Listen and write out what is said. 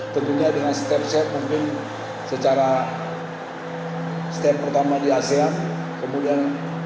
tentunya dengan step step mungkin secara step pertama di asean kemudian